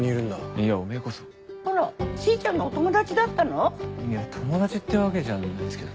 いや友達ってわけじゃないんすけど。